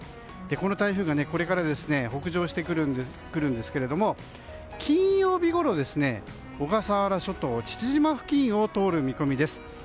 この台風がこれから北上してくるんですけども金曜日ごろ、小笠原諸島父島付近を通る見込みです。